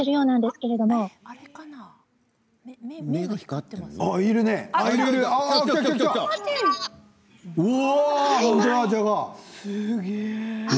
すげえ！